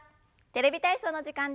「テレビ体操」の時間です。